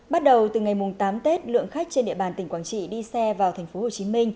bắt đầu từ ngày tám tết lượng khách trên địa bàn tỉnh quảng trị đi xe vào tp hcm